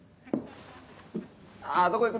あどこ行く？